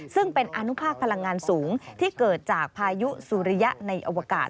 ซึ่งเป็นอนุภาคพลังงานสูงที่เกิดจากพายุสุริยะในอวกาศ